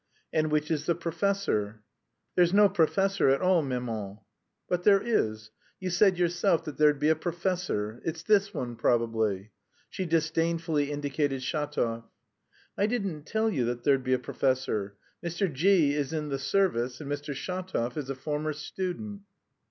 "And which is the professor?" "There's no professor at all, maman." "But there is. You said yourself that there'd be a professor. It's this one, probably." She disdainfully indicated Shatov. "I didn't tell you that there'd be a professor. Mr. G v is in the service, and Mr. Shatov is a former student."